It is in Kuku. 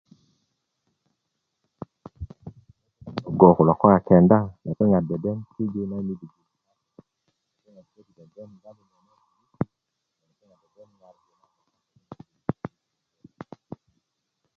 ŋutuu kulo ko lepeŋat kenda